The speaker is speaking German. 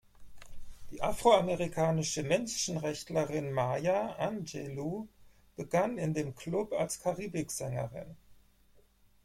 Die afroamerikanische Menschenrechtlerin Maya Angelou begann in dem Club als Karibik-Sängerin.